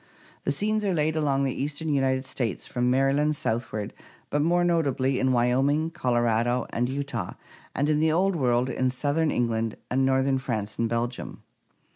The scenes are laid along the eastern United States from Maryland southward, but more notably in Wyoming, Colorado, and Utah, and in the Old World in southern England and northern France and Belgium.